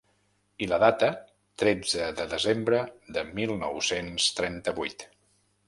I la data, tretze de desembre de mil nou-cents trenta-vuit.